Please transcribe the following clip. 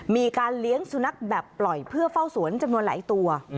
มีการเลี้ยงสุนัขแบบปล่อยเพื่อเฝ้าสวนจำนวนหลายตัว